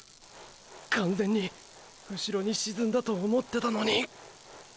完全に後ろに沈んだと思ってたのに！